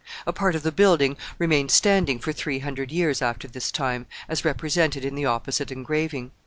A part of the building remained standing for three hundred years after this time, as represented in the opposite engraving.